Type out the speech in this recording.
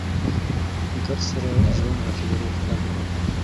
ګرد سره ژوند راته دروغ ښکارېده.